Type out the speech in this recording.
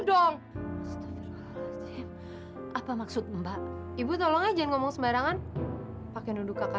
dong apa maksud mbak ibu tolong aja jangan ngomong sembarangan pakai duduk kakak